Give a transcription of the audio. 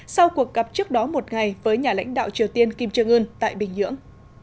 sau cuộc gặp trước đó một ngày với nhà lãnh đạo triều tiên kim trương ưn tại bình nhưỡng